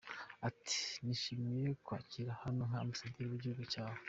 Ati “ Nishimiye kukwakira hano nka Ambasaderi w’igihugu cyawe.